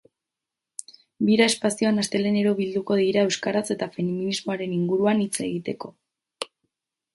Bira espazioan astelehenero bilduko dira euskaraz eta feminismoaren inguruan hitz egiteko.